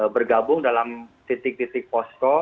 bergabung dalam titik titik posko